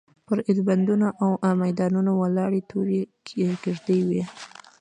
پر ایلبندونو او میدانونو ولاړې تورې کېږدۍ وې.